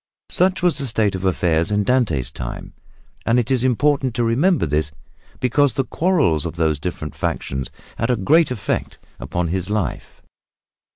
Such was the state of affairs in Dante's time, and it is important to remember this, because the quarrels of these different factions had a great effect upon his life.